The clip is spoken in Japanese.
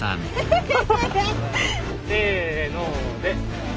せので。